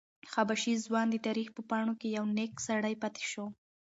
حبشي ځوان د تاریخ په پاڼو کې یو نېک سړی پاتې شو.